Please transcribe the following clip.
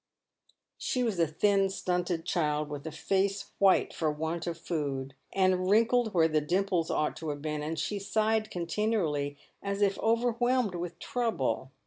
She was a thin, stunted child, with a face white for want of food, and wrinkled where the dimples ought to have been, and she sighed con tinually, as if overwhelmed with trouble.